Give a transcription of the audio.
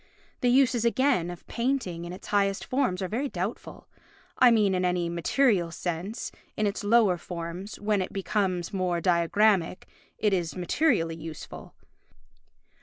The uses, again, of painting in its highest forms are very doubtful—I mean in any material sense; in its lower forms, when it becomes more diagrammatic, it is materially useful.